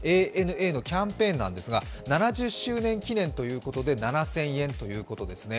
ＡＮＡのキャンペーンなんですが７０周年記念ということで７０００円ということですね。